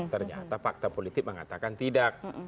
ternyata fakta politik mengatakan tidak